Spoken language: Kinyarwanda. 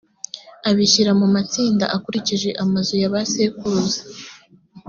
abashyira mu matsinda akurikije amazu ya ba sekuruza